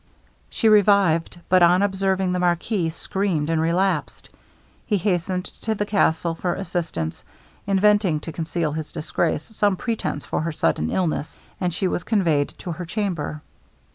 She revived, but on observing the marquis, screamed and relapsed. He hastened to the castle for assistance, inventing, to conceal his disgrace, some pretence for her sudden illness, and she was conveyed to her chamber.